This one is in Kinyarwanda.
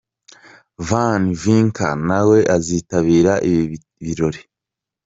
Van Vicker nawe azitabira ibi birori.